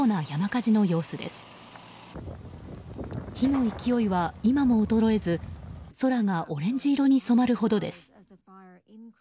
火の勢いは今も衰えず空がオレンジ色に染まるほどです。